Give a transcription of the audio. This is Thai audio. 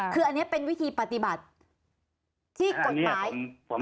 คืออันนี้เป็นวิธีปฏิบัติที่กฎหมาย